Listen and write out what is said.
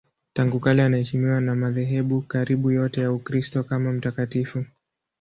Tangu kale anaheshimiwa na madhehebu karibu yote ya Ukristo kama mtakatifu.